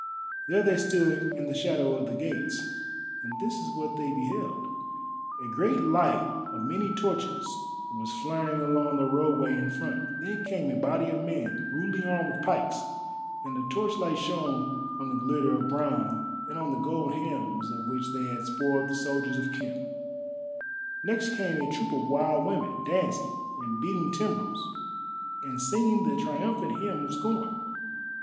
There they stood in the shadow of the gates, and this is what they beheld. A great light of many torches was flaring along the roadway in front. Then came a body of men, rudely armed with pikes, and the torchlight shone on the glitter of bronze and on the gold helms of which they had spoiled the soldiers of Khem. Next came a troop of wild women, dancing, and beating timbrels, and singing the triumphant hymn of scorn.